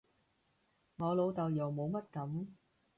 我老豆又冇乜噉